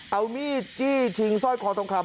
เอามีดจี้ชิงสร้อยคอทองคำ